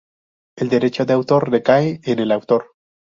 El derecho de autor recae en el autor.